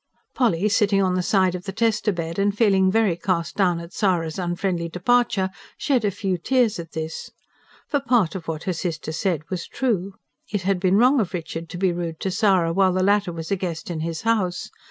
Polly, sitting on the side of the tester bed and feeling very cast down at Sara's unfriendly departure, shed a few tears at this. For part of what her sister said was true: it had been wrong of Richard to be rude to Sara while the latter was a guest in his house.